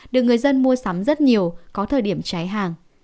được người dân mua sắm rất nhiều có thời điểm cháy hàng